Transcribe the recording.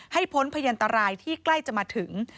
พ้นพยันตรายที่ใกล้จะมาถึง